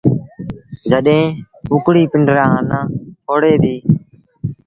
جڏهيݩ ڪڪڙيٚ پنڊرآ آنآ ڦوڙي دي۔